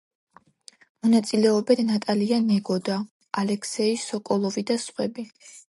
მონაწილეობენ ნატალია ნეგოდა, ალექსეი სოკოლოვი და სხვები.